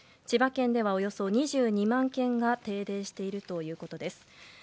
千葉県ではおよそ２２万軒が停電しているということです。